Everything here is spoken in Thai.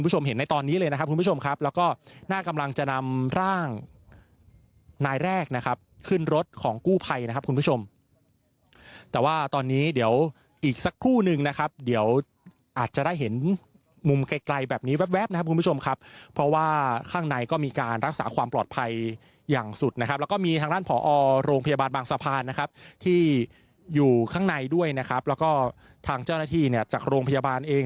เห็นในตอนนี้เลยนะครับคุณผู้ชมครับแล้วก็น่ากำลังจะนำร่างนายแรกนะครับขึ้นรถของกู้ไพนะครับคุณผู้ชมแต่ว่าตอนนี้เดี๋ยวอีกสักคู่หนึ่งนะครับเดี๋ยวอาจจะได้เห็นมุมไกลไกลแบบนี้แวบแวบนะครับคุณผู้ชมครับเพราะว่าข้างในก็มีการรักษาความปลอดภัยอย่างสุดนะครับแล้วก็มีทางด้านผอโรงพย